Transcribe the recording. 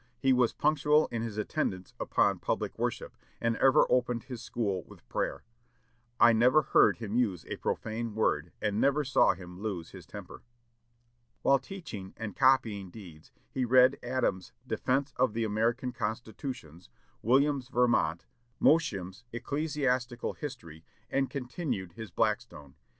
He was punctual in his attendance upon public worship, and ever opened his school with prayer. I never heard him use a profane word, and never saw him lose his temper." While teaching and copying deeds, he read Adam's "Defence of the American Constitutions," Williams' "Vermont," Mosheim's "Ecclesiastical History," and continued his Blackstone.